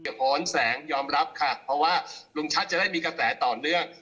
หอนแสงยอมรับค่ะเพราะว่าลุงชัดจะได้มีกระแสต่อเนื่อง